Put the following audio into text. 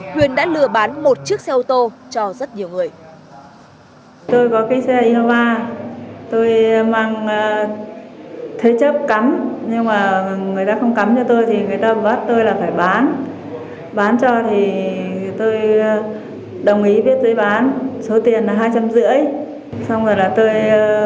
huyền đã lừa bán một chiếc xe ô tô cho rất nhiều người